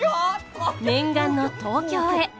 念願の東京へ。